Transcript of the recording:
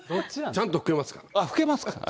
ちゃんと拭けますから。